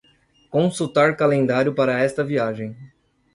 Consultar calendário para esta viagem.